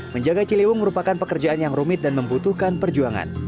menjaga ciliwung merupakan pekerjaan yang rumit dan membutuhkan perjuangan